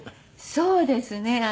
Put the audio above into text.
そうですね。